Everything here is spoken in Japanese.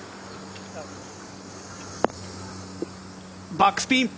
バックスピン。